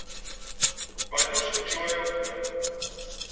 Beṛka ur sxenciw ara weltma-m.